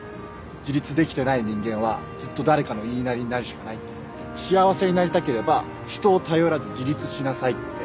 「自立できてない人間はずっと誰かの言いなりになるしかない」って「幸せになりたければ人を頼らず自立しなさい」って。